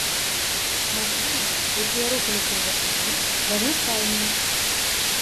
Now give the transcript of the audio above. Матывы, якія рухалі крыжакамі, разнастайныя.